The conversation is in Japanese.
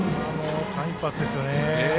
間一髪ですよね。